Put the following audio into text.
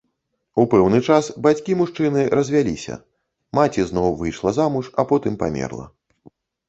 У пэўны час бацькі мужчыны развяліся, маці зноў выйшла замуж а потым памерла.